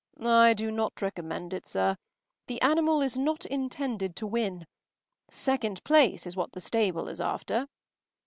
” “I do not recommend it, sir. The animal is not intended to win. Second place is what the stable is after.